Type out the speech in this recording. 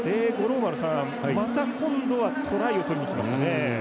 また、今度はトライを取りにきましたね。